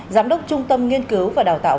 giám đốc trung tâm nghiên cứu và đào tạo